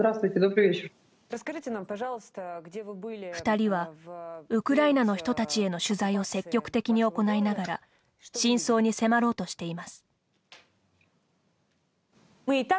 ２人はウクライナの人たちへの取材を積極的に行いながら真相に迫ろうしています。